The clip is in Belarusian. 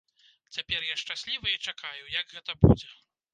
Цяпер я шчаслівы і чакаю, як гэта будзе.